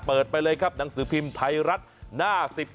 ไปเลยครับหนังสือพิมพ์ไทยรัฐหน้า๑๒